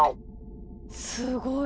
すごい！